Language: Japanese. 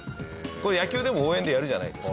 これ野球でも応援でやるじゃないですか。